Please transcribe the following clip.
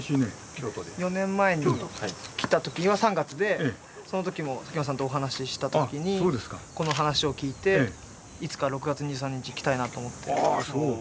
４年前に来た時は３月でその時も佐喜眞さんとお話しした時にこの話を聞いていつか６月２３日に来たいなと思って来た。